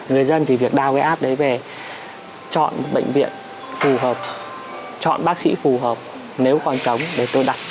người dân chỉ việc đào cái app đấy về chọn bệnh viện phù hợp chọn bác sĩ phù hợp nếu còn chống để tôi đặt